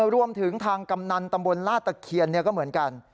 รวมถึงทางกำนันตำบลลาดตะเคียนก็เหมือนกัน